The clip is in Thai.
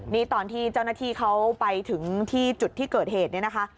นี่ตอนที่เจ้าหน้าที่เขาไปถึงที่จุดที่เกิดเหตุเนี่ยนะคะ